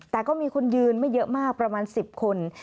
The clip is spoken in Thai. แต่ก็มีคนยืนไม่เยอะมากประมาณ๑๐คน